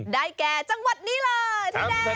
ได้แก่จังหวัดนี้เลย